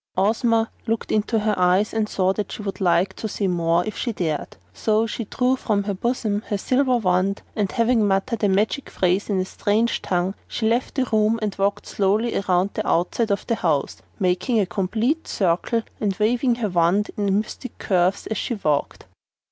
Ozma looked into her eyes and saw that she would like to say more if she dared. So she drew from her bosom her silver wand, and having muttered a magic phrase in a strange tongue, she left the room and walked slowly around the outside of the house, making a complete circle and waving her wand in mystic curves as she walked.